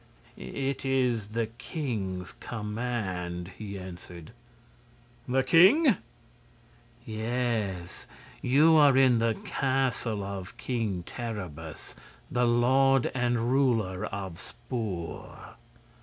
"It is the king's command," he answered. "The king?" "Yes; you are in the castle of King Terribus, the lord and ruler of Spor."